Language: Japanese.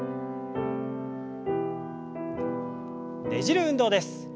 ねじる運動です。